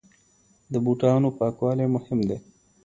د بوټانو پاکوالی مهم دی.